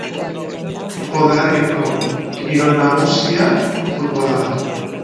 Konderriko kirol nagusia futbola da.